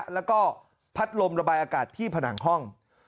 แล้วก็พัดลมระบายอากาศที่ผนังห้อง